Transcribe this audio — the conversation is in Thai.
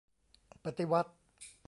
ปฏิวัติ !